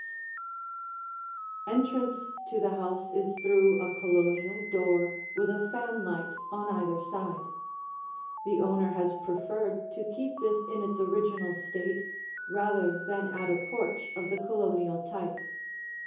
[Illustration: The Hall] Entrance to the house is through a Colonial door with a fanlight on either side. The owner has preferred to keep this in its original state, rather than add a porch of the Colonial type.